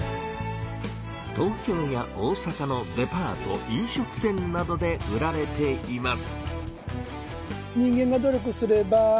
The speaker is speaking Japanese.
東京や大阪のデパート飲食店などで売られています。